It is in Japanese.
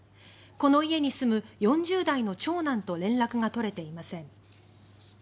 この家に住む４０代の長男と連絡が取れていません。